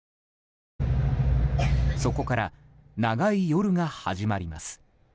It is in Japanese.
そこから長い夜が始まります。